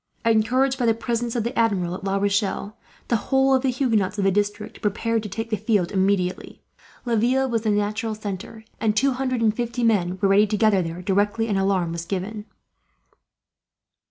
Encouraged by the presence of the Admiral at La Rochelle, the whole of the Huguenots of the district prepared to take the field, immediately. Laville was the natural centre, and two hundred and fifty men were ready to gather there, directly an alarm was given.